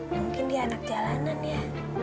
mungkin dia anak jalanan ya